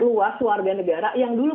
luas luar dan negara yang dulu